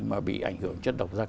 mà bị ảnh hưởng chất độc da cam